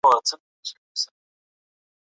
د اعمالو محاسبه به په دقیق ډول کېږي.